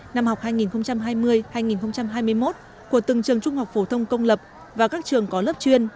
năm học hai nghìn hai mươi hai nghìn hai mươi một của từng trường trung học phổ thông công lập và các trường có lớp chuyên